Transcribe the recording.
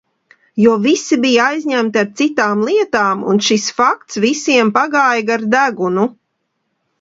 Jo visi bija aizņemti ar citām lietām un šis fakts visiem pagāja gar degunu.